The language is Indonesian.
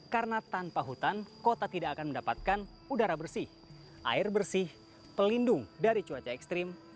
karena tanpa hutan kota tidak akan mendapatkan udara bersih air bersih pelindung dari cuaca ekstrim